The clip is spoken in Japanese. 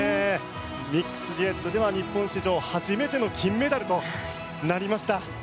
ミックスデュエットでは日本史上初めての金メダルとなりました。